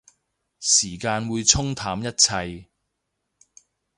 時間會沖淡一切